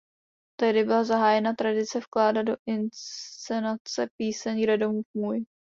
Tehdy byla zahájena tradice vkládat do inscenace píseň "Kde domov můj".